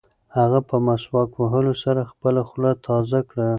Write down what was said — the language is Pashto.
هغه په مسواک وهلو سره خپله خوله تازه کړه.